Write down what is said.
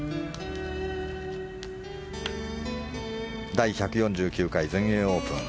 第１４９回全英オープン。